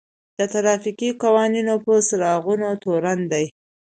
د ټرافيکي قوانينو په سرغړونه تورن دی.